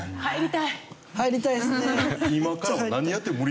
入りたいですね。